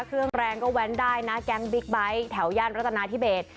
เครื่องแรงก็แว้นได้นะแกงบิ๊กไบค์แถวย่านรัฐนาธิเบส